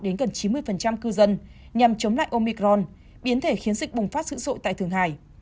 đến gần chín mươi cư dân nhằm chống lại omicron biến thể khiến dịch bùng phát sử dụng tại thượng hải